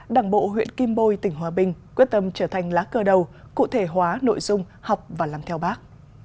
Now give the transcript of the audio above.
đảng bộ huyện kim bôi tỉnh hòa bình quyết tâm trở thành lá cơ đầu cụ thể hóa nội dung học và làm theo bác